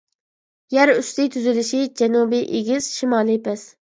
يەر ئۈستى تۈزۈلۈشى جەنۇبى ئېگىز، شىمالى پەس.